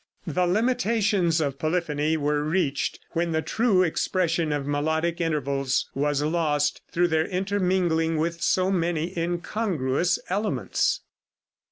The limitations of polyphony were reached when the true expression of melodic intervals was lost through their intermingling with so many incongruous elements.